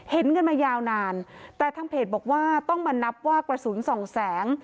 เห็นกันมายาวนานแต่ทางเพจบอกว่าต้องมานับว่ากระสุนสองแสง